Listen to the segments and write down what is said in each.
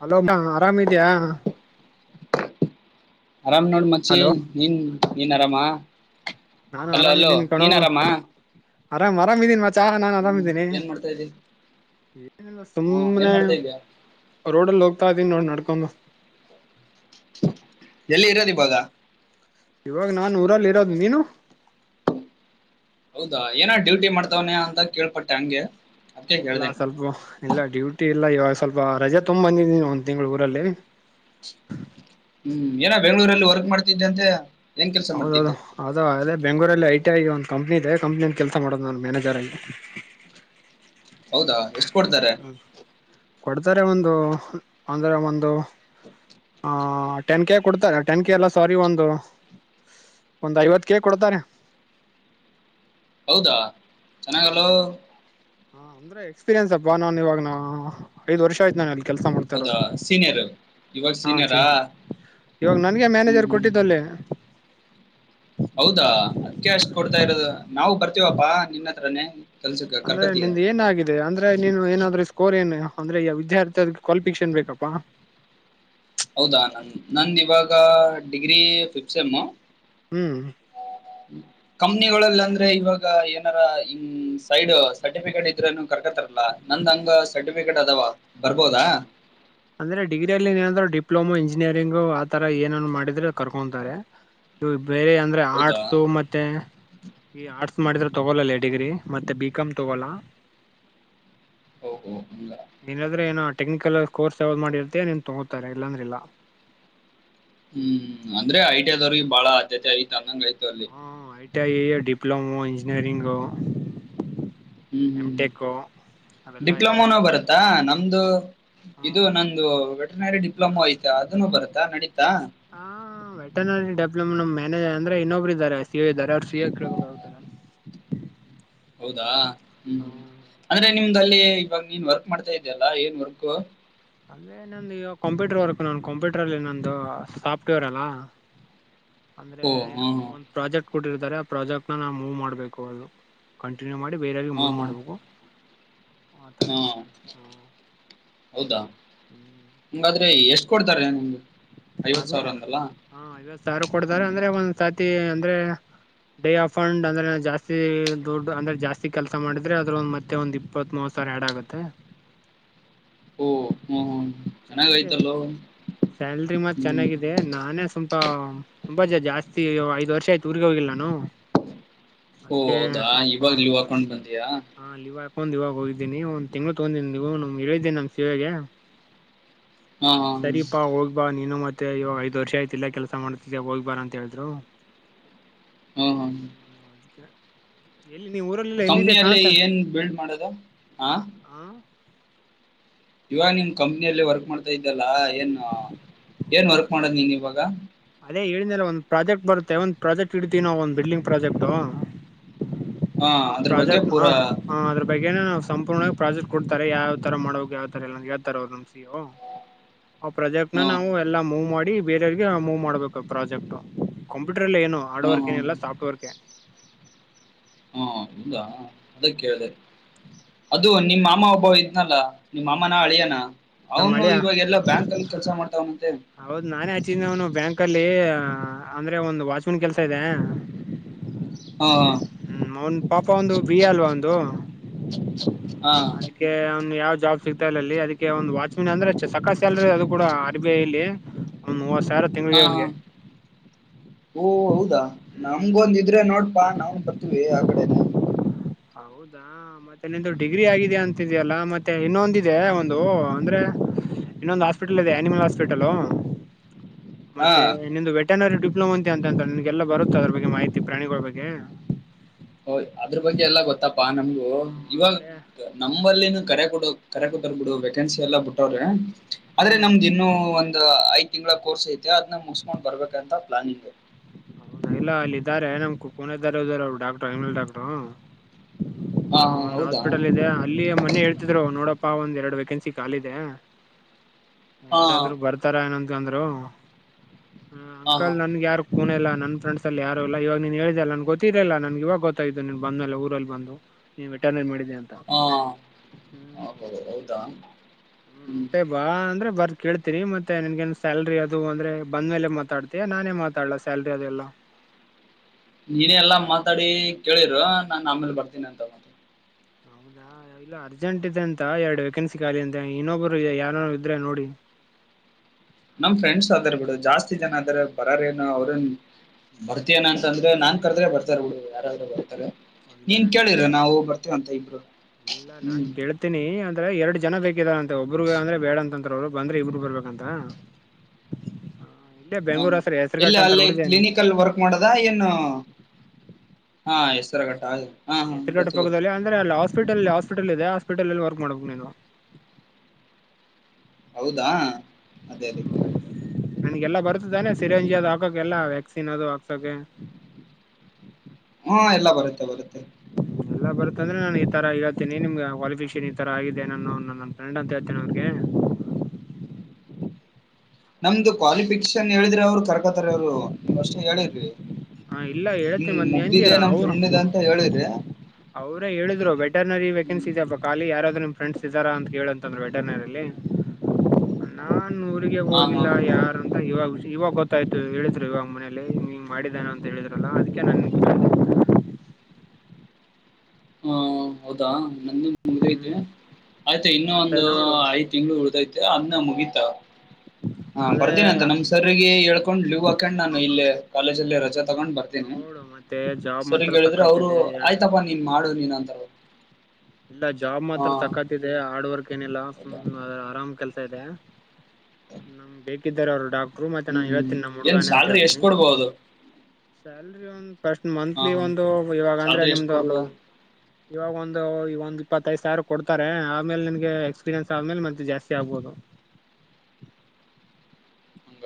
Hello ಬಾ ಆರಾಮಿದ್ಯಾ ಅರಾಮ್ ನೋಡ್ ಮಚ್ಚಿ ಹಲೋ ನೀನ್ ನೀನ್ ಆರಾಮ ನಾನು ಹಲ್ಲೋ ಹಲೋ ನೀನ್ ಆರಾಮ ಅರಮ ಅರಾಮಇದೀನಿ ಮತ್ತೆ ಚಾ ನಾನ ಹ್ಮ್ ಆರಾಮಿದ್ದೀನಿ. ಏನ್ ಮಾಡ್ತಾ ಇದಿ ಹ್ಮ ಏನ್ ಸುಮ್ಮ್ನೆ ಮಾಡ್ತಾ ಇದ್ಯಾ ರೋಡ್ಲ್ ಹೋಗತಾ ಇದೀನಿ ನೋಡ್ ನಡ್ಕೊಂಡು ಎಲ್ಲಿ ಇರೋದು ಇವಾಗ ಇವಾಗ ನಾನ್ ಊರಲ್ಲಿ ಇರೋದು. ನೀನು? ಹೌದಾ ಏನ ಡ್ಯೂಟಿ ಮಾಡ್ತವನೇ ಅಂತ ಕೇಳ್ಪಟ್ಟೆ ಹಂಗೆ ಅದಕ್ಕೆ ಇಲ್ಲ ಕೇಳ್ದೆ ಸ್ವಲ್ಪ ಇಲ್ಲ ಡ್ಯೂಟಿ ಇಲ್ಲ ಇವಾಗ ಸ್ವಲ್ಪ ರಜೆ ತಗೋಬಂದಿದೀನಿ ಒಂದ್ ತಿಂಗ್ಗಳ ಊರಲ್ಲಿ ಹ್ಮ್ ಏನ ಬೆಂಗ್ಗಳೂರಲ್ಲಿ ವರ್ಕ್ ಮಾಡ್ತಿದ್ದ ಅಂತೆ ಏನ್ ಕೆಲ್ಸ ಹೌದೌದು ಮಾಡ್ತಿದ್ದೆ ಹೌದು ಅದೇ ಬೆಂಗಳುರಲ್ಲಿ ಐ ಟಿ ಅಗೀ ಒಂದು ಕಂಪ್ನ ಇದೆ ಕಂಪ್ನಿ ಕೆಲಸ ಮಾಡೋದು ನು ಮಾನೇಜರ್ಲ್ಲಿ ಹೌದಾ ಎಷ್ಟು ಕೊಡ್ತಾರೆ. ಕೊಡ್ತಾರೆ ಒಂದು ಅಂದ್ರೆ ಒಂದು ಆ ಟೆನ್ ಕೆ ಕೊಡ್ತಾರೆ ಟೆನ್ ಕೆ ಎಲ್ಲ ಸಾರಿ ಒಂದು ಒಂದು ಐವತ್ತು ಕೆ ಕೊಡ್ತಾರೆ. ಹೌದಾ ಚೆನ್ನಾಗಲ್ಲೋ ಹ್ಮ್ ಹಾ ಅಂದ್ರೆ ಎಕ್ಸ್ಪೀರಿಯನ್ಸ್ ಅಪ್ಪಾ ನನ್ ಇವಾಗ ನಾ ಐದ್ ವರ್ಷ ಆಯ್ತು ನಾನಲ್ಲಿ ಕೆಲ್ಸ ಹೌದಾ ಮಾಡ್ತಾರದು ಸೀನಿಯರ್ ಇವಾಗ ಹಾ ಸೀನಿಯರಾ ಚೀನಾ ಇವಾಗ ನನ್ಗೆ ಹ್ಮ್ ಮ್ಯಾನೇಜರ್ ಹ್ಮ್ ಕೊಟ್ಟಿದ್ದಲ್ಲೇ ಹೌದಾ ಅದಕ್ಕೆಅಷ್ಟು ಕೊಡ್ತಾ ಇರೋದು ನಾವು ಬರ್ತೀವಪ್ಪಾ ನಿನ್ನ ಹತ್ರನೇ ಕೆಲ್ಸಕ್ಕೆ ಅಂದ್ರೆ ಕರ್ಕೋತೀಯ ನಿನ್ ಏನ ಆಾಗಿದೆ ಅಂದ್ರೆ ನೀನು ಏನಾದ್ರರು ಕೋರ್ ಏನು ಅಂದ್ರೆ ಈಗ ವಿದ್ಯಾರ್ಥಿ ಅ ಕ್ವಾಲಿಫಿಕೇಷನ್ ಬೇಕಪ್ಪಾ ಹೌದಾ ನನ್ ಇವಾಗ ಡಿಗ್ರಿ ಫಿಫತ್ ಸೆಮ್ ಹ್ಮ್ ಹ್ಮ ಕಂಪನಿ ಯೊಳಗೆ ಅಂದ್ರೆ ಇವಾಗ ಏನಾರ್ ಸೈಡ್ ಸರ್ಟಿಫಿಕೇಟ್ ಇದ್ರನ ಕರ್ಕತಾರಲ್ಲ ನಂದ್ ಹಂಗ ಸರ್ಟಿಫಿಕೇಟ್ ಅದಾವ ಬರ್ಬೋದಾ ಅಂದ್ರೆ ಡಿಗ್ರಿಯಲ್ಲಿ ಏನಾದ್ರರು ಡಿಪ್ಲೋಮಾ ಇಂಜಿನಿಯರಿಂಗ ಆ ತರ ಏನ್ ಮಾಡಿದ್ರೆ ಕರು ತಕೊಂತಾರೆ ಇ ಬೇರೆ ಅಂದ್ರೆ ಹೌದಾ ಆರ್ಟ್ಸ್ ಮತ್ತೆ ಈ ಆರ್ಟ್ಸ್ ಮಾಡಿದ್ರೆ ತಗೋಲಲ್ಲೇ ಡಿಗ್ರಿ ಮತ್ತೆ ಬಿಕಾಮ್ ತಗೋಲ್ಲ ಹ ಹ ಹ ನೀನಾದ್ರೆ ಏನ ಟೆಕ್ನಿಕಲ್ ಕೋರ್ಸ್ ಯಾವ್ದ್ ಮಾಡಿರ್ತತಿ ನೀನ್ ತಗೋತಾರೆ ಇಲ್ಲಾಂದ್ರ ಇಲ್ಲ ಹ್ಮ್ ಅಂದ್ರೆ ಐಟಿಐ ದವ್ರಿಗೆ ಬಾ ಅಧ್ಯತೆ ಐತಿ ಅಂದಂಗ ಆಯ್ತು ಅಲ್ಲಿ ಹುಂ ಐಟಿಐ ಡಿಪ್ಲೊಮೋ ಇಂಜಿನಿಯರಿಂಗು ಹ್ಮ್ ಎಮ್ ಹ್ಮ್್ಮ ಟೆಕ್ಕು ಅವೆಲ್ಲಾ ಯಾರ ಡಿಪ್ಲೊಮಾನೋ ಬರುತ್ತಾ ನಮ್ದು ಇದು ಹ್ಮ್ ನಂದು ವೆಟನರಿ ಡಿಪ್ಲೊಮೋ ಐತ ಅದನು ಬರತ್ತಾ ನಡೀತಾ ಹಾ ವೆಟನರಿ ಡೆಪ್ಲೊಮ ಮ್ಯಾನೇಜರ್ ಅಂದ್ರೆ ಇನ್ನೊಬ್ರು ಇದಾರೆ ಸಿ ಎ ಇದ್ದಾರೆ ಅವ್ರರು ಸಿಎ ಕೇಳಬೇಕು ನ ಹೌದಾ ಹ್ಮ್ ಹ್ಮ್ ಅಂದ್ರೆ ನಿಮ್ದಲ್ಲಿ ಇವಾಗ ನೀನ್ ವರ್ಕ್ ಮಾಡ್ತಾ ಇದ್ಯಲ್ಲಾ ಏನ್ ವರ್ಕ್ ಅಂದ್ರೆ ನಂದು ಕಂಪ್ಯೂಟರ್ ವರ್ಕ್ ನ ಕಂಪ್ಯೂಟರ್ ಅಲ್ಲಿ ನಂದು ಸಾಫ್ಟ್ವೇರ್ ಅಲ್ಲಾ ಅಂದ್ರೆ ಓ ಹಾ ಹಾ ಒಂದ್ ಪ್ರಾಜೆಕ್ಟ್ ಕೊಟ್ಟಿರ್ತಾರೆ ಆ ಪ್ರಾಜೆಕ್ಟ್ ನ ನಾವು ಮೂವ್ ಮಾಡ್ಬೇಕು ಅದು ಕಂಟಿನ್ಯೂ ಮಾಡಿ ಬೇರೆಯವ್ರಿಗೆ ಹಾ ಮೂವ್ ಮಾಡಬೇಕು ಹಾ ಹೌದಾ ಹ್ಮ್ [inaudible] ಹಂಗಾದ್ರೆ ಎಷ್ಟ್ ಕೊಡ್ತಾರೆ ನಮ್ದಗೆ ಅದೇ ಹಾ ಇವತ್ತರು ಕೊಡ್ತಾರೆ ಅಂದ್ರೆ ಒಂದ್ಸತಿ ಅಂದ್ರೆ ಡೇ ಆಫಂಡ್ ಅಂದ್ರೆ ಜಾಸ್ತಿ ದೊಡ್ ಅಂದ್ರೆ ಜಾಸ್ತಿ ಕೆಲಸ ಮಾಡಿದ್ರೆ ಅದ್ರ ಒಂದು ಮತ್ತೆ ಒಂದ ಇಪ್ಪತ್ವಮೂವತ್ತು ಸರ್ ಎರಡ ಆಗುತ್ತೆ ಓ ಹ್ಮ ಚೆನ್ನಾಗಿದೆ ಚೆನ್ನಾಗಿಯತಲ್ಲ ಹ್ಮ್ ದೆ ನಾನೇ ಸ್ವಲ್ಪ ತುಂಬಾ ಜ ಜಾಸ್ತಿ ಐದ್ ವರ್ಷ ಆಯ್ತು ಊರ್ರಿಗೆ ಹೋಗಿಲ್ಲ ನಾನು ಓ ಅದಕ್ಕೆ ಹೌದಾ ಅಪ್ಪ ಇವಾಗ ಇ ಅಕೌಂಟ್ ತಂದಿಯಾ ಹಾ ಲೀವ್ ಹಾಕೊಂಡ್ ಇವಾಗ ಹೋಗಿದ್ದಿನಿ ಒಂದ್ ತಿಂಗಳು ತಗೊಿನಿ ಲೀವ್ ಹೇಳಿದ್ದೀಿನಿ ನಮ್ ಸಿಇಓಗೆ ಹಾ ಹಾ ಸರಿಪಾ ಹೋಗೋಗ್ಪಾ ನೀನು ಮ ಮತ್ತೆವಾಗ ಐದು ವರ್ಷ ಆಯ್ತಿ ಕೆಲಸ ಮಾಡ್ತಿದ್ದ ಹೋಗ್ ಬಾರ ಅಂತ ಹೇಳಿದ್ರು ಹಾ ಹಾ ಎಲ್ಲಿ ನೀ ಊರಲ್ಲಿಇಲ್ಲ ಎಲ್ಲಿದ್ದ ಕಾಣ ಕಂಪ್ನಿಯಲ್ಲಿ ಏನ್ ಬಿಲ್ಡ್ ಮಾಡೋದು ಆ ಹಾ ಇವಾಗ ನಿನ್ ಕಂಪ್ನಿಯಲ್ಲಿ ವರ್ಕ್ ಮಾಡ್ತಾ ಇದ್ದಲ್ಲಾ ಏನ್ ಏನ್ ವರ್ಕ್ ಮಾಡದು ನೀನ್ ಇವಾಗ ಅದೇ ಹೇಳಿದಲ್ಲಾ ಒಂದ್ ಪ್ರಾಜೆಕ್ಟ್ ಬರುತ್ತೆ ಒಂದ್ ಪ್ರಾಜೆಕ್ಟ್ ಇಡ್ತೀವಿ ನಾವು ಒಂದ್ ಬಿಲ್ಡಿಂಗ್ ಪ್ರಾಜೆಕ್ಟ್ ಹಾ ಹ ಅದ್ರ ಬಗ್ಗೆ ಪ್ರಾಜೆಕ್ಟ್ ಹ ಪೂರಾ ಹ ಅದ್ರ ಬಗ್ಗೆನೆ ನಾವು ಹ್ಮ ಸಂಪೂರ್ಣವಾಗಿ ಪ್ರಾಜೆಕ್ಟ್ ಕೊಡ್ತಾರೆ ಯಾವ್ ತರಾ ಮಾಡೋಕ್ ಯಾವ ತರಾ ಎಲ್ಲಾ ಹೇಳ್ತಾರೆ ಅವರು ನಮ ಸಿ ಈ ಒ ಅವ್ ಪ್ರಾಜೆಕ್ಟ್ ನ ನಾವು ಹ್ಮ ಎಲ್ಲಾ ಮೂವ್ ಮಾಡಿ ಬೇರೆಯವ್ರಿಗೆ ಮೂವ್ ಮಾಡ್ಬೇಕು ಪ್ರಾಜೆಕ್ಟ್ ಕಂಪ್ಯೂಟರ್ ಅಲ್ಲೇ ಏನು ಹಾರ್ಡ್ ವರ್ಕ ಹ್ಮ್ ಏನೀಲ್ಲಾ ಸಾಫ್ಟ ವರ್ಕೆ ಹುಂ ಹೌದಾ ಅದ ಕೇಳಿದೆ ಅದು ನಿಮ್ಮ ಮಾಮ್ಮ ಒಬ್ಬ ಇದ್ನಲ್ಲಾ ನಿಮ್ಮ ಮಾಮ್ಮನ ಅಳಿಯಾನ ನಮ್ಮ್ ಅವನು ಅಳಿಯ ಇವಾಗ ಎಲ್ಲೊ ಬ್ಯಾಂಕ್ ಅಲ್ಲಿ ಕೆಲ್ಸ ಮಾಡ್ತಾವನಂತೆ ಹೌದ್ ನಾನೇ ಹಚ್ಚಿದ್ದೆ ಅವನು ಬ್ಯಾಂಕ್ ಅಲ್ಲಿ ಅಂದ್ರೆ ಒಂದ್ ವಾಚ್ ಮನ್ ಕೆಲ್ಸಾ ಇದೆ [inaudible] ಹು ಅವನ್ ಪಾಪ ಒಂದು ಬಿ ಎ ಅಲ್ವಾಅವನದು ಹಾ ಅದಕ್ಕೆ ಅವನ ಯಾವ ಜಾಬ್ ಸಿಗ್ತಾ ಇಲ್ಲ ಅಲ್ಲಿ ಅದಕ್ಕೆ ಒಂದು ವಾಚ್ಮೆನ್ ಅಂದ್ರೆ ಸಕ್ಕತ್ ಸ್ಯಾಲರಿ ಅದು ಕೂಡಾ ಎಸ್ ಬಿ ಐ ನಲ್ಲಿ ಒಂದ ಮೂವತ್ತು ಸಾವಿರಾ ಹಾ ಹಾ ಓ ಹೌದಾ ಹ್ಮ್ ನಮಗೊಂದ ಇದ್ರೆ ನೋಡಪ್ಪಾ ನಾವನ್ ಬರ್ತವಿ ಆ ಕಡೆನೆ ಹೌದಾ ಹ ಮತ್ತೆ ನಿಂದು ಡಿಗ್ರಿ ಆಗಿದೆ ಅಂತಿದ್ಯಲ್ಲಾ ಮತ್ತೆ ಇನ್ನೊಂದಿದೆ ಒಂದು ಅಂದ್ರೆ ಇನ್ನೊಂದು ಹಾಸ್ಪಿಟಲ್ ಇದೆ ಅನಿಮಲ್ ಹಾಸ್ಪಿಟಲು ಹಾ ಮತ್ತೆ ಇನ್ನೊಂದು ವೇಟರ್ನ ವೆಟರ್ನರಿ ಡಿಪ್ಲೋಮ ಅಂತಂತೆ ನಿನ್ಗೆಲ್ಲಾ ಬರುತ್ತ ಅದ್ರ ಬಗ್ಗೆ ಎಲ್ಲಾ ಮಾಹಿತಿ ಪ್ರಾಣಿಗಳ ಬಗ್ಗೆ ಹ ಅದ್ರ ಬಗ್ಗೆ ಎಲ್ಲಾ ಗೊತ್ತಪ್ಪಾ ನಮ್ಗು ಹ್ಮ್ ಇವಾಗ ಅಂದ್ರೆ ನಮ್ಮಲ್ಲಿನನು ಕರೆ ಕೊಡ ಕರೆ ಕೊಟ್ಟರ್ ಬಿಡು ವೇಕೆನ್ಸಿ ಎಲ್ಲಾ ಬಿಟ್ಟಾವರೇ ಆದ್ರೆ ಹ್ಮ್ ನಮ್ದ್ ಇನ್ನು ಒಂದ್ ಐದ ತಿಂಗಳ ಕೋರ್ಸ್ ಐತೆ ಅದ್ ಮುಸ್ಕೊಂಡ್ ಬರ್ಬೇಕಂತ ಪ್ಲಾನಿಂಗ್ ಹೌದ ಇಲ್ಲ ಅಲ್ಲಿ ಇದಾರೆ ನಮ್ ಕು ಕೋನೆದಾರ ಅವರು ಡಾಕ್ಟರ್ ಎನೀಮಲ್ ಡಾಕ್ಟ್ರು ಹಾ ಹ ಹಾ ಒಂದ ಹೌದಾ ಹಾಸ್ಪಿಟಲ್ ಇದೆ ಇಲ್ಲಿ ಮೊನ್ನೆ ಹೇಳ್ತಿದ್ರು ನೋಡಪ್ಪ ಒಂದ್ ಎರಡು ವೇಕೆನ್ಸಿ ಕಾಲಿ ಇದೆ ಹಾ ಯಾರಾದ್ರೂ ಬರ್ ತರಾ ಏನಂತಂದ್ರು ಹಾ ಅಂಕಲ್ ನನ್ಗೆ ಯಾರು ಕೂನ ಇಲ್ಲಾ ನನ್ ಫ್ರೆಂಡ್ಸ್ ಲ್ಲಿಯೇ ಯಾರು ಇಲ್ಲಾ ನೀನ್ ಹೇಳಿದೆ ಅಲಾ ಗೊತ್ತರಿಲ್ಲ ನನ್ಗೆ ಇವಾಗ ಗೊತ್ತಾಯಿತು ನೀನ್ ಬಂದಮೇಲೆ ಊರಲ್ಲಿ ಬಂದು ನೀನು ವೇಟರನರೀ ಮಾಡಿದೆ ಅಂತಾ ಹಾ ಹ ಹೌದಾ ಹುಂ ಮತ್ತೆ ಬಾ ಅಂದ್ರೆ ಬರ್ ಕೇಳ್ತೀರಿ ಮತ್ತೆ ನನ್ಗೇನ್ ಸ್ಯಾಲ್ರಿ ಅದು ಅಂದ್ರೆ ಬಂದ್ ಮೇಲೆ ಮಾತಾಡ್ತ ಮತ್ತ ನಾನೇ ಮಾತಾಡಲ್ಲಾ ಸಾಲ್ರಿ ಅದು ಅದೆಲ್ಲಾ ನೀನೆೇ ಎಲ್ಲಾ ಮಾತಾಡಿ ಕೇಳಿರು ನಾನ್ ಆಮೇಲೆ ಬರ್ತೀನಿ ಅಂತ ಹೌದಾ ಇಲ್ಲಾ ಅರ್ಜೆಂಟ್ ಇದೆ ಅಂತ ಎರಡು ವೇಕೆನ್ಸಿ ಖಾಲಿ ಅಂತ ಇನ್ನೊಬ್ಬರು ಯಾರನು ಇದ್ರೆ ನೋಡಿ ನಮ್ ಫ್ರೆಂಡ್ಸ್ ಅದಾರ್ ಬಿಡು ಜಾಸ್ತಿ ಜನಾ ಅದಾರ ಬರೋರೇ ಏನು ಅವ್ರನ್ ಬರ್ತೀನ ಅಂತಂದ್ರೆ ನಾನ್ ಕರ್ದ್ರೆ ಬರ್ತಾರೆ ಹುಡುಗ ಯಾರಾದ್ರರು ಬರ್ತಾರೆ. ಇಲ್ಲ ನೀನ್ ನನ್ಗೆ ಕೇಳಿರ ನಾವು ಬರ್ತೀವಂತ ಇಬ್ಬರು ಹುಂ ನಿ ಅಂದ್ರೆ ಎರಡು ಜನಾ ಬೇಕಿದ ಅಂತೆ ಒಬ್ಬರುಗ ಅಂದ್ರೆ ಬೇಡ ಅಂತ ರು ಬಂದ್ರೆ ಇಬ್ರು ಬರ್ಬೇಕಂತಾ ಹ ಎಲ್ಲಿ ಅಲ್ಲಿ ನೀನು ಕ್ಲಿನಿಕಲ್ ವರ್ಕ್ ಮಾಡದ ಏನು ಹಾ ಹೆಸರುಗಟ್ಟಾ ಆ ಹೆಸರಘಟ್ಟಾ ಪಕ್ಕದಲ್ಲಿ ಅಂದ್ರೆ ಅಲ್ಲಿ ಹಾಸ್ಪಿಟಲ್ ಹಾಸ್ಪಿಟಲ್ ಇದೆ ಹಾಸ್ಪಿಟಲ್ಲಲಿ ವರ್ಕ್ ಮಾಡಬೇಕು ನೀನು ಹೌದಾ ಅದೇ ಅದೇ ಕೇಳ್ದೆ ನಿನ್ಗೆಲ್ಲಾ ಬರುತ್ತದಾನೆ ಸಿರೆಯಂಜಿ ಅ ಹಾಕ ಎಲ್ಲಾ ವ್ಯಾಕ್ಸಿನ್ ಅದು ಹಾಕೊಕೆ ಹಾ ಎಲ್ಲ ಬರುತ್ತೆ ಬರುತ್ತೆ ಎಲ್ಲ ಬರುತ್ತಂದ್ರ ನಾನು ಈ ತರ ಹೇಳ್ತಿನಿ ನಿಮ್ಮ [unintelligible] ಈ ತರ ಆಗಿದೆ ನನ್ನೋ ನನ್ನ ಫ್ರೆಂಡ್ ಅಂತ ಹೇಳ್ತಿನ್ ಅವ್ರ್ಗೆ ನಮ್ದು ಕ್ವಾಲಿಫಿಕೇಶನ್ ಹೇಳಿದ್ರೆ ಅವ್ರು ಕರ್ಕೊತರೆ ಅವ್ರು ನೀವ್ ಫಷ್ಟೇ ಹೇಳಿರ್ರಿ ಹಾ ಇಲ್ಲ ಹೇಳ್ತಿ ಮತ್ತ್ ನೆಂತೀರ ಅವ್ರು ಫ್ರೆಂಡ್ದ ಅಂತ ಹೇಳಿರಿ ಅವ್ರೆ ಹೇಳಿದ್ರು ವೆಟರ್ನರಿ ವೆಕೆನ್ಸಿ ಹ್ಮ್ ಇದ್ ಖಾಲಿ ಯಾರಾದ್ರು ನಿಮ್ ಫ್ರೆಂಡ್ಸ್ ಇದಾರಾ ಅಂತ್ ಕೇಳಂತಂದ್ರು ವೆಟರ್ನರಿಲಿ ನಾನ್ ಊರಿಗೆ ಹಾ ಹಾ ಹೋಗಿಲ್ಲ ಯಾರ್ ಅಂತ ಇವಾಗ್ ಇವಾಗ್ ಗೊತ್ತಾಯ್ತು ಹೇಳಿದ್ರು ಇವಾಗ್ ಮನೇೆಲ್ಲಿ ಇಂಗ್ ಇಂಗ್ ಮಾಡಿದನ. ಅಂತ್ ಹೇಳಿದ್ರಲ್ಲ ಅದಿಕ್ಕೆ ನಾನ್ ಹ ಹೌದಾ ನಂದು ಮುಗ್ದೈತಿ, ಹ್ಮ್ ಐತೆ ಇನ್ನು ಮತ್ತೆ ಒಂದು ನೋಡು ತಿಂಗ್ಳು ಉಳ್ದೈತೆ ಅನ್ನ ಮುಗಿತ ಹಾ ಅಂದ್ರೆ ಬರ್ತೀನಂತ ನಮ್ ಸರ್ರಿಗೆ ಹೇಳ್ಕೊಂಡ್ ಲೀವ್ ಹಾಕೊಂಡ್ ನಾನು ಇಲ್ಲಿ ಕಾಲೇಜಲ್ಲಿ ರಜೆ ತಗೊಂಡ್ ಬರ್ ತಿನಿ ನೋಡು ಮತ್ತೆ ಜಾಬ್ ಮಾತ್ರ ಸರ್ರೀಗ್ ಹೇಳಿದ್ರೆ ಅವ್ರು ಸಕ್ಕತ್ತಿದೆ ಆಯ್ತಪ್ಪಾ ನೀನ್ ಮಾಡು ನೀನು ಅಂತರೆ ಇಲ್ಲ ಜಾಬ್ ಮಾತ್ರ ಸಕತ್ ಇದೆ ಹಾರ್ಡ್ ವರ್ಕ್ ಏನಿಲ್ಲ ಫುಲ್ ಹೌದಾ ಆರಾಮ್ ಕೆಲ್ಸ ಇದೆ. ನಮ್ಗ್ ಬೇಕಿದ್ದಾರೆ ಅವ್ರು ಡಾಕ್ಟ್ರು ಮತ್ತೆ ಹ್ಮ್ ನಾನ್ ಹ್ಮ್ ಹೇಳ್ತೀನಿ ನಮ್ ಏನ್ ಹುಡ್ಗಾನೆ ಅಂತ್ ಸ್ಯಾಲ್ರಿ ಎಷ್ಟ್ ಹೇಳ್ತೇನಿ ಕೊಡ್ಬಹುದು ಸ್ಯಾಲ್ರಿ ಒಂದು ಪಸ್ಟ್ ಹಾ ಮಂತ್ಲಿ ಒಂದು ಇವಾಗ ಅಂದ್ರೆ ಸ್ಯಾಲ್ರಿ ಎಷ್ಟ್ ನಿಮ್ದು ಅಲ್ವಾ ಕೊಡ್ಬಹುದು ಇವಾಗ ಒಂದೂ ಒಂದ್ ಇಪ್ಪತ್ತೈದು ಸಾವ್ರ ಕೊಡ್ತಾರೆ ಆಮೇಲೆ ನಿನ್ಗೆ ಎಕ್ಸ್ಪೀರಿಯನ್ಸ್ ಆದ್ಮೇಲ್ ಮತ್ ಜಾಸ್ತಿ ಆಗ್ಬೋದು ಹಂಗ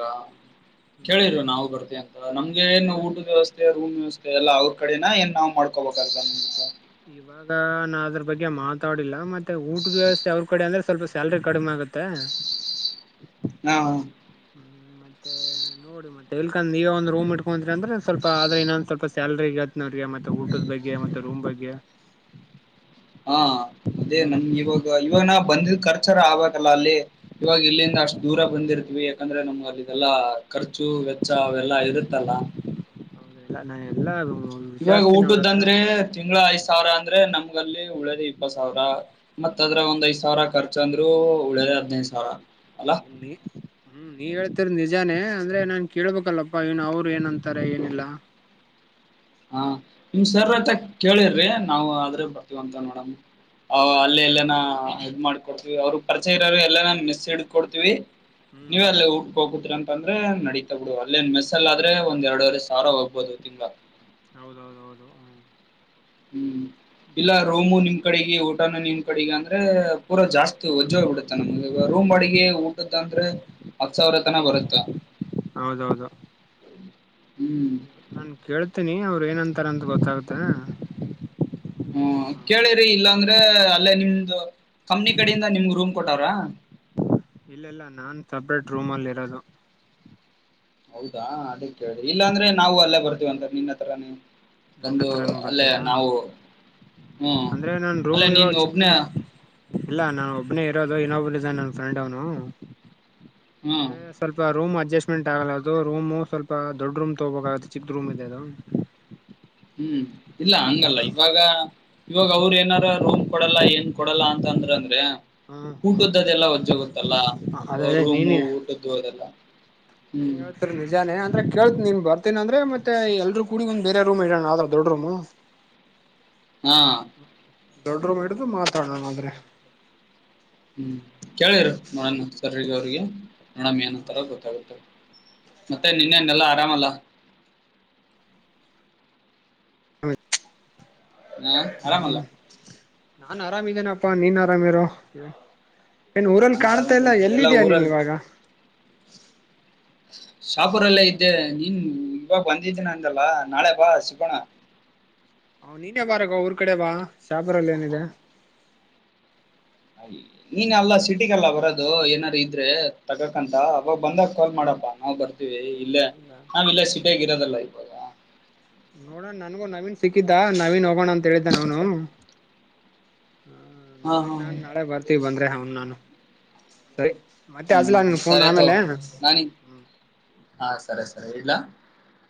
ಕೇಳಿರು ಹ್ಮ್ ನಾವು ಬರ್ತಿ ಅಂತ, ನಮ್ಗೆ ಏನು ಊಟದ್ ವ್ಯವಸ್ಥೆ ರೂಮ್ ವ್ಯವಸ್ಥೆ ಎಲ್ಲ ಅವ್ರ್ ಕಡೆ ಏನ್ ನಾವ್ ಮಾಡ್ಕೋಬೇಕಾ ಅಲ್ ಬಂದ್ ಇವಾಗ್ ಈಗ ನಾ ಅದ್ರ್ ಬಗ್ಗೆ ಮಾತಾಡಿಲ್ಲ ಮತ್ತೆ ಊಟದ್ ವ್ಯವಸ್ಥೆ ಅವ್ರ್ ಕಡೆ ಅಂದ್ರೆ ಸ್ವಲ್ಪ ಸ್ಯಾಲ್ರಿ ಕಡಿಮೆ ಆಗತ್ತೆ. ಹಾ ಹಾ ಹ್ಮ್ ಮತ್ತೆ ನೋಡು ಮತ್ತೆ ಎಲ್ಕಂದ್ ನೀವೆ ಒಂದ್ ರೂಮ್ ಇಟ್ಕೊಂತಿರ್ ಅಂದ್ರೆ ಸ್ವಲ್ಪ ಆದ್ರೆ ಇನ್ನೊಂದ್ ಸ್ವಲ್ಪ ಸ್ಯಾಲ್ರಿ ಈಗತ್ ನೋಡ್ರಿ ಮತ್ತೆ ಊಟುದ್ ಬಗ್ಗೆ ಮತ್ತೆ ರೂಮ್ ಬಗ್ಗೆ ಹಾ ಅದೇ ಹ್ಮ್ ನಮ್ ಇವಾಗ ಇವಾಗನ ಬಂದಿದ್ ಕರ್ಚರ ಆಗ್ಬೇಕಲ್ಲ ಅಲ್ಲಿ ಇವಾಗ ಇಲ್ಲಿಂದ ಅಷ್ಟ್ ದೂರ ಬಂದಿರ್ತೀವಿ ಯಾಕಂದ್ರೆ ನಮ್ಗೆ ಅಲ್ಲಿದೆಲ್ಲಾ ಖರ್ಚು ವೆಚ್ಚ ಅವೆಲ್ಲಾ ಇರುತ್ತಲ್ಲ ಹೌದ ಎಲ್ಲ ನಾ ಎಲ್ಲಾ ಇವಾಗ್ ವಿಚಾರ್ಸ್ತೀನಿ ಅವ್ರ ಹತ್ರ ಊಟುದ್ದಂದ್ರೆ ತಿಂಗ್ಳ ಐದ್ ಸಾವ್ರ ಅಂದ್ರೆ ನಮ್ಗಲ್ಲಿ ಉಳ್ಯೋದೆ ಇಪ್ಪತ್ ಸಾವ್ರ ಮತ್ತ್ ಅದ್ರಗ್ ಒಂದ್ ಐದ್ ಸಾವ್ರ ಖರ್ಚಂದ್ರು ಉಳ್ಯೋದೆ ಹದ್ನೈದ್ ಸಾವ್ರ ಅಲ್ಲ ಲಿ ಹ್ಮ್ ನೀವ್ ಹೇಳ್ತಿರದ್ ನಿಜಾನೇ ಅಂದ್ರೆ ನಾನ್ ಕೇಳ್ಬೇಕಲ್ಲಪ್ಪಾ ಇನ್ನ್ ಅವ್ರು ಏನಂತ ತರೆ ಏನಿಲ್ಲ ಹಾ ನಿಮ್ ಸರ್ ಹ್ಮ್ ಅತ್ತ ಕೇಳಿರ್ರಿ ನಾವು ಆದ್ರೆ ಬರ್ತೀವಂತ ನೋಡಮ ಆವ್ ಹಾ ಅಲ್ಲೆ ನಾನ್ ಎಲ್ಲನ ಕೇಳ್ ಇದ್ ಮಾಡ್ಕೊಡ್ತೀವಿ ಅವ್ರುಗ್ ಪರಿಚಯ ಇರೋರು ಎಲ್ಲನ ಮಿಸ್ ಹಿಡ್ಕೊಡ್ತೀವಿ. ಹ್ಮ್ ನೀವಲ್ಲೆ ಊಟ್ಕ್ ಹೋಗುದ್ರಂತ ಅಂದ್ರೆ ನಡೀತಾ ಬಿಡು ಅಲ್ಲೇನ್ ಮೆಸ್ಸಲ್ ಆದ್ರೆ ಒಂದ್ ಎರ್ಡುವರೆ ಸಾವ್ರ ಹೋಗ್ಬೋದು ತಿಂಗ್ಳ ಹೌದೌದೌದು ಹ್ಮ್ ಹ್ಮ್ ಇಲ್ಲ ರೋಮು ನಿಮ್ ಕಡಿಗೆ ಊಟನು ನಿಮ್ ಕಡಿಗೆ ಅಂದ್ರೆ ಪೂರಾ ಜಾಸ್ತಿ ವಜ್ಜೋಗ್ ಬಿಡುತ್ತೆ ನಮ್ಗ್ ರೂಮ್ ಬಾಡಿಗೆ [unintelligible] ಹತ್ ಸಾವ್ರ ತನ ಬರುತ್ತ ಹೌದೌದು ಹ್ಮ್ ನಾನ್ ಕೇಳ್ತಿನಿ ಅವ್ರು ಏನಂತಾರಂತ ಗೊತ್ತಾಗುತ್ತೆ ಹ್ಮ ಕೇಳಿರಿ ಇಲ್ಲಾ ಅಂದ್ರೆ ಅಲ್ಲೇ ನಿಮ್ದು ಕಂಪ್ನಿ ಕಡಿಂದ ನಿಮ್ಗ್ ರೂಮ್ ಕೊಟ್ಟವ್ರ? ಇಲ್ಲ ಇಲ್ಲ ನಾನ್ ಸಪ್ರೇಟ್ ರೂಮಲ್ ಇರೋದು ಹೌದಾ ಕೇಳ್ರಿ ಇಲ್ಲಾಂದ್ರೆ ನಾವು ಅಲ್ಲೇ ಬರ್ತೀವ ಅಂತ ನಿನ್ನ ಹತ್ರರಾನೇ ನನ್ನ ಹತ್ರಾನೇ ಬರ್ತೀರಾ ಹ್ಮ್ ಅಂದ್ರೆ ನನ್ ಅಲ್ಲೇ ರೂಮ್ ನೀನ್ ಇವಾಗ ಒಬ್ನೇ ಚಿಕ್ಕದಿದೆ. ಇಲ್ಲ ನಾನ್ ಒಬ್ನೇ ಇರೋದು ಇನ್ನೊಬ್ನು ಇದಾನೆ ನನ್ ಫ್ರೆಂಡ್ ಅವ್ನು. ಹ್ಮ್. [unintelligible] ಸ್ವಲ್ಪ ರೂಮ್ ಅಡ್ಜಸ್ಟ್ಮೆಂಟ್ ಆಗಲ್ಲ ಅದು ರೂಮ್ ಸ್ವಲ್ಪ ದೊಡ್ಡ ರೂಮ್ ತಗೋಬೇಕಾಗುತ್ತೆ ಚಿಕ್ ರೂಮ್ ಇದೆ ಅದು. ಹ್ಮ್ ಇಲ್ಲಾ ಮತ್ತೆ ಹಾಂಗಲ್ಲ ಇವಾಗ. ಇವಾಗ ಅವ್ರು ಏನಾರ ರೂಮ್ ಕೊಡಲ್ಲ ಏನ್ ಕೊಡಲ್ಲ ಅಂತ ಅಂದ್ರೆ. ಹ ಊಟದ್ದದೆಲ್ಲಾ ಒಜ್ಜೆ ಹಾಗುತ್ತಲ್ಲ ಅದೇ ರೂಮು ನೀನೇ ಊಟದ್ದು ಅದೆಲ್ಲಾ. ನೀನ್ ಯಾವ. [unintelligible] ನಿಜಾನೆ ಅಂದ್ರ ಕೇಳ್ತ ನೀನು ಬರ್ತೀನಿ ಅಂದ್ರೆ ಮತ್ತೆ ಎಲ್ರೂ ಕೂಡಿ ಒಂದು ಬೇರೆ ರೂಮ್ ಇರೋಣ ಯಾವ್ದಾದ್ರೂ ದೊಡ್ ರೂಮ್. [unintelligible] ಹಾ. ದೊಡ್ಡ ರೂಮ್ ಹಿಡಿದು ಮಾತಾಡೋಣ ಆದ್ರೆ. ಹ್ಮ್ ಕೇಳಿರು ಮನ್ವಿಕ್ ಸರ್ ಅವ್ರಿಗೆ ನೋಡಮಾ ಏನ್ಂತರ ಗೊತ್ತಾಗುತ್ತೆ. ಮತ್ತೆ ಇನ್ನೇನು ಎಲ್ಲಾ ಆರಾಮಲ್ಲಾ. ಹೌ. [inaudible] ಹ ಆರಾಮಲ್ಲ ಹ್ಮ್ ನಾನ್ ಆರಾಮ್ ಇದಿನಪ್ಪ ನೀನು ಆರಾಮಿರು. ಏನ್ ಊರಲ್ಲಿ ನಾನ್ ಆರಾಮ ಕಾಣ್ತಾ ಇಲ್ಲ ಇದೀನಿ. ಎಲ್ಲಿ ಎಲ್ಲಾ ಇದಿಯ ನೀನ್ ಊರಲ್ಲಿ ಇವಾಗ. [inaudible] ಶಾಪೂರಲ್ಲೇ ಇದ್ದೆ ನೀನ್ ಇವಾಗ ಬಂದಿದೀನಿ ಅಂದಲ್ಲಾ ನಾಳೆ ಬಾ ಸಿಗೋಣ. ಹೊ ನೀನೇ ಬರೊ ಊರ್ ಕಡೆ ಬಾ ಶಾಪುರದಲ್ಲಿ ಏನಿದೆ. ಹಾ. [unintelligible] ನೀನ್ ಅಲ್ಲಾ ಸಿಟಿಗೆಲ್ಲ ಬರೋದು ಏನಾರ ಇದ್ರೆ ತಗಕಂತ ಅವಾಗ ಬಂದಾಗ ಕಾಲ್ ಮಾಡಪ್ಪಾ ನಾವು ಬರ್ತವಿ. ಇಲ್ಲೇ ಹೌದಾ ಹಾ ನಾವಿಲ್ಲಿ ಸಿಟಿಯಾಗೆ ಇರೋದಲ್ಲ ಇವಾಗ. ನೋಡೋಣ ನನ್ಗೂ ನವೀನ್ ಸಿಕ್ಕಿದ್ದ ನವೀನ್ ಹೋಗೋಣ ಅಂತ ಹೇಳಿದ್ದ ಅವನು. [inaudible] ನವೀನ್ ನಾನ್ ನಾಳೆ ಬರ್ತೀವಿ ಬಂದ್ರೆ ಅವನ್ ನಾನು ಸರಿ. ಮತ್ತೆ ಹ್ಮ್ ಅಚ್ಚಲ ನಾನ್ ಫೋನ್ ಸರಿ ತಗೋ ಆಮೇಲೆ. ನಾನಿ ಹಾ ಸರೆ ಸರೆ ಇಡ್ಲಾ.